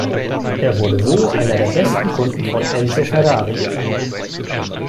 Er wurde so einer der besten Kunden von Enzo Ferrari.